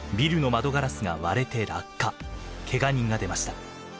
けが人が出ました。